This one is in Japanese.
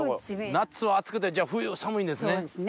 夏は暑くて冬は寒いんですね。